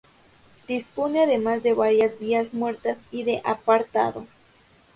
Dispone además de varias vías muertas y de apartado.